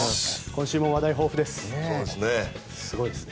今週も話題豊富です。